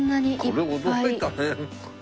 これ驚いたね。